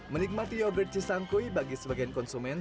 menikmati yogurt cisangkui bagi sebagian konsumen